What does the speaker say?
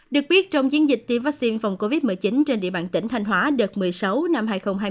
được biết trong chiến dịch tiêm vaccine phòng covid một mươi chín trên địa bàn tỉnh thanh hóa đợt một mươi sáu năm hai nghìn hai mươi